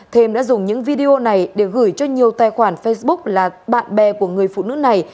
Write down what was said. thêm đã dùng những video này để gửi cho nhiều tài khoản facebook là bạn bè của người phụ nữ này